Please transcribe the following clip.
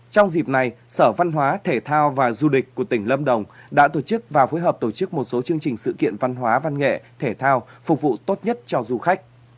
trong dịp này sở văn hóa thể thao và du lịch của tỉnh lâm đồng đã tổ chức và phối hợp tổ chức một số chương trình sự kiện văn hóa văn nghệ thể thao phục vụ tốt nhất cho du khách